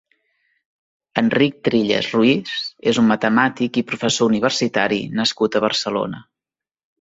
Enric Trillas Ruiz és un matemàtic i professor universitari nascut a Barcelona.